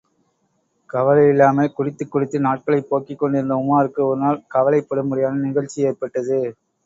கவலையில்லாமல் குடித்துக் குடித்து நாட்களைப் போக்கிக் கொண்டிருந்த உமாருக்கு ஒருநாள் கவலைப்படும்படியான நிகழ்ச்சி ஏற்பட்டது.